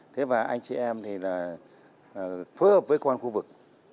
thế và anh chị em thì là phối hợp với quan khu vực